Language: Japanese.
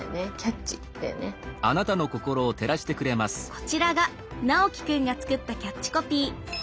こちらがナオキ君が作ったキャッチコピー。